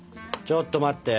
ちょっと待って。